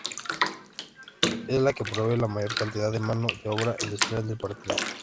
Es la que provee la mayor cantidad de mano de obra industrial del partido.